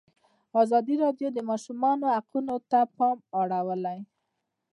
ازادي راډیو د د ماشومانو حقونه ته پام اړولی.